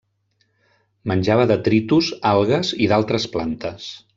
Menjava detritus, algues i d'altres plantes.